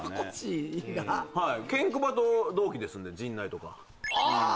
はいケンコバと同期ですんで陣内とかああ！